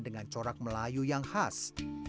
dengan corak melayu yang khas